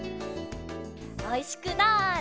おいしくなれ！